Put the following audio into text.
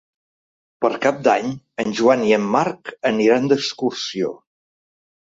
Per Cap d'Any en Joan i en Marc aniran d'excursió.